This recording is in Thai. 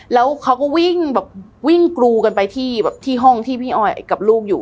แล้วเขาก็วิ่งกรูกันไปที่ห้องที่พี่ออยกับลูกอยู่